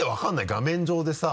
画面上でさ。